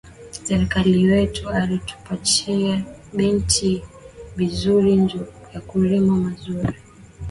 Serkali wetu ari tupachiya bintu bizuri nju ya kurima muzuri